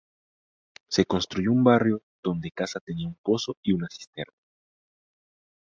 Se construyó un barrio, donde casa tenía un pozo y una cisterna.